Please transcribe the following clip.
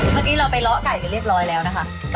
เมื่อกี้เราไปเลาะไก่กันเรียบร้อยแล้วนะคะ